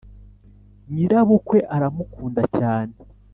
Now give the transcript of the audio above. nyirabukwe aramukunda cyane